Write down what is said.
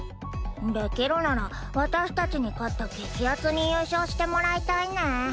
できるなら私たちに勝ったゲキアツに優勝してもらいたいね。